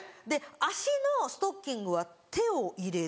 足のストッキングは手を入れて。